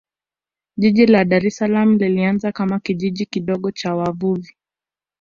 Jiji la Dar es Salaam lilianza kama Kijiji kidogo cha wavuvi